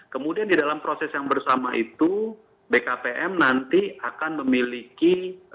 kemudian di dalam proses yang bersama itu bkpm nanti akan memiliki